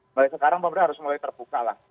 mulai sekarang pemerintah harus mulai terbuka lah